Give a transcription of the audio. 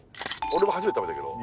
俺も初めて食べたけど。